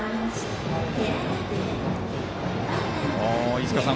飯塚さん